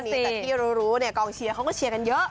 แต่ที่รู้เนี่ยกองเชียร์เขาก็เชียร์กันเยอะ